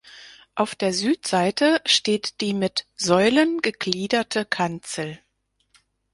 Auf der Südseite steht die mit Säulen gegliederte Kanzel.